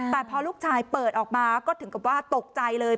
แต่พอลูกชายเปิดออกมาก็ถึงกับว่าตกใจเลย